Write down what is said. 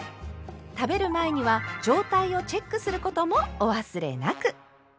食べる前には状態をチェックすることもお忘れなく。